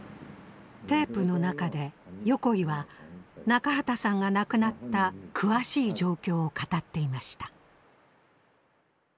テープの中で横井は中畠さんが亡くなった詳しい状況を語っていました。